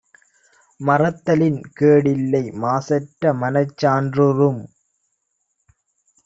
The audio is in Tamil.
மறத்தலின் கேடில்லை; மாசற்றமனச் சான்றூறும்